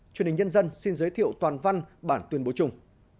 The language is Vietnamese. truyền hình nhân dân xin giới thiệu toàn văn bản tuyên bố chung